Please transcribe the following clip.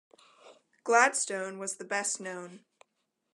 Gladstone was the best-known.